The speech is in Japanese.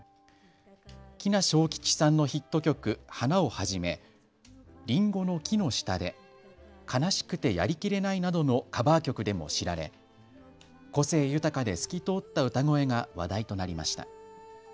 喜納昌吉さんのヒット曲、花をはじめ、林檎の木の下で、悲しくてやりきれないなどのカバー曲でも知られ、個性豊かで透き通った歌声が話題となりました。